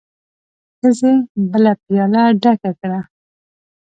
ښځې بله پياله ډکه کړه.